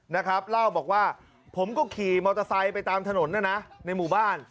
นะครับเล่าบอกว่าผมก็ขี่มอเตอร์ไซค์ไปตามถนนนะนะในหมู่บ้าน